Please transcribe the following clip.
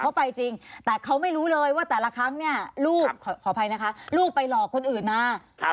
เขาไปจริงแต่เขาไม่รู้เลยว่าแต่ละครั้งลูกไปหลอกคนอื่นมา